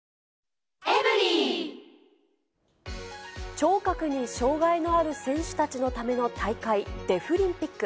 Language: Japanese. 聴覚に障がいのある選手たちのための大会、デフリンピック。